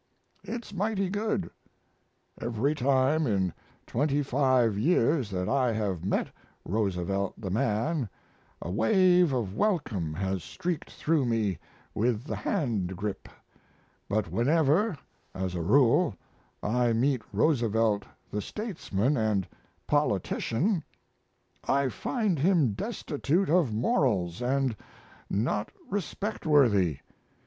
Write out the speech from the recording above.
It's mighty good. Every time in twenty five years that I have met Roosevelt the man a wave of welcome has streaked through me with the hand grip; but whenever (as a rule) I meet Roosevelt the statesman & politician I find him destitute of morals & not respect worthy.